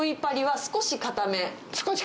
少し硬め。